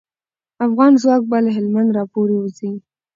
افغان ځواک به له هلمند راپوری وځي.